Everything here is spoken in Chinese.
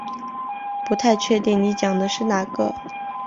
不太确定你讲的是哪个